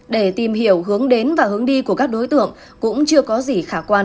để tìm hiểu hướng đến và hướng đi của các đối tượng cũng chưa có gì khả quan